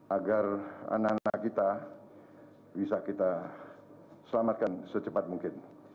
agar anak anak kita bisa kita selamatkan secepat mungkin